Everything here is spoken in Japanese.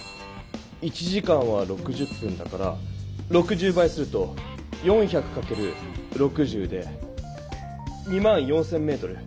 １時間は６０分だから６０倍すると４００かける６０で２４０００メートル。